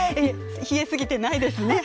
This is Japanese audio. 冷え過ぎてないですね。